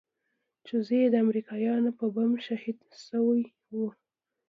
چې زوى يې د امريکايانو په بم شهيد سوى و.